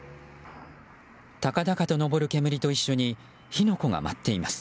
高々と上る煙と一緒に火の粉が舞っています。